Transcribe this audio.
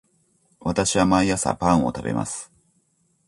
私は毎朝パンを食べます